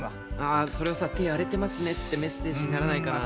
ああそれは手荒れてますねってメッセージにならないかな？